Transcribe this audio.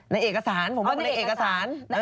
ในเอกสารผมว่าในเอกสาร